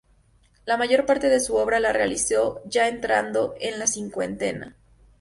La mayor parte de su obra la realizó ya entrado en la cincuentena.